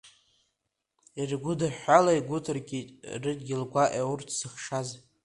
Иргәыдыҳәҳәало игәдыркылеит, рыдгьыл гәакьа урҭ зыхшаз.